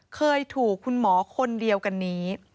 เคยถูกคุณหมอคนเดียวกันนี้